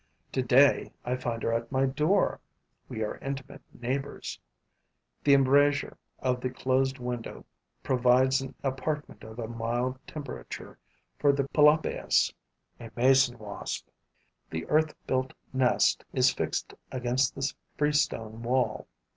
Today, I find her at my door; we are intimate neighbors. The embrasure of the closed window provides an apartment of a mild temperature for the Pelopaeus [a mason wasp]. The earth built nest is fixed against the freestone wall.